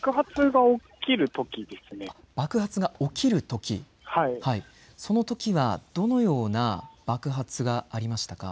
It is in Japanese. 爆発が起きるとき、そのときはどのような爆発がありましたか。